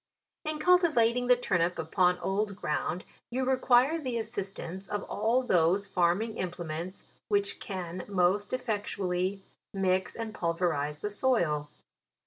In cultivating the turnip upon old ground, you require the assistance of all those farm ing implements, which can most effectually mix and pulverize the soil.